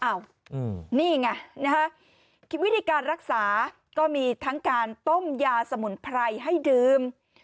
นี่ไงนะฮะวิธีการรักษาก็มีทั้งการต้มยาสมุนไพรให้ดื่ม